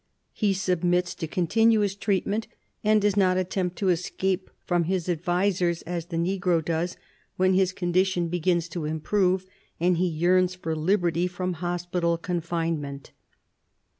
He submits to continuous treatment, and does not attempt to escape from his advisers, as the negro does when his condition begins to improve, and he yearns for liberty from hospital confinement.